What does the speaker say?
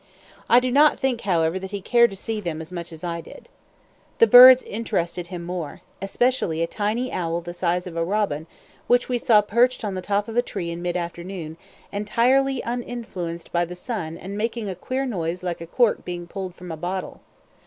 I do not think, however, that he cared to see them as much as I did. The birds interested him more, especially a tiny owl the size of a robin which we saw perched on the top of a tree in mid afternoon entirely uninfluenced by the sun and making a queer noise like a cork being pulled from a bottle.